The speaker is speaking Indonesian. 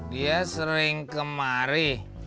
dia sering kemari